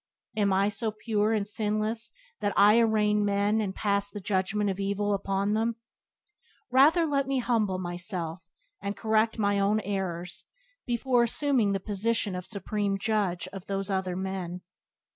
Am I so pure and sinless that I arraign men and pass the judgment of evil upon them? Rather let me humble myself, and correct mine own errors, before assuming the position of supreme judge of those of other men."